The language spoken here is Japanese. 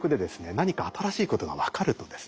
何か新しいことが分かるとですね